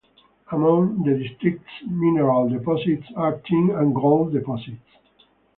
Among the district's mineral deposits are tin and gold deposits.